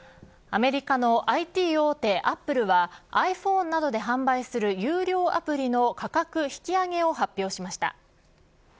アメリカのＩＴ大手アップルはｉＰｈｏｎｅなどで販売する有料アプリの価格引き上げを発表しました。